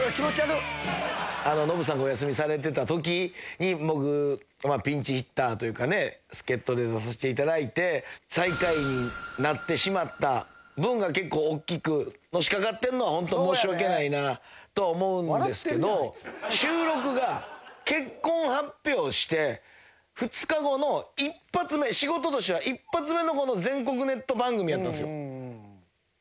ノブさんがお休みされてたときに、僕、ピンチヒッターというかね、助っ人で出させていただいて、最下位になってしまった分が結構大きくのしかかってるのは、本当、申し訳ないなとは思うんですけど、収録が結婚発表して２日後の一発目、仕事としては一発目の全国ネット番組やったんですよ。